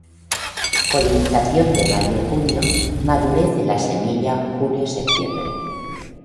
Polinización de mayo-junio, madurez de la semilla julio-sep.